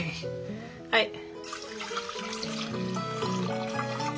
はい。